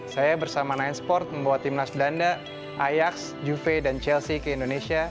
saya bersama nine sports membawa tim nas belanda ajax juve dan chelsea ke indonesia